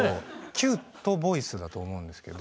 キュートボイスだと思うんですけど。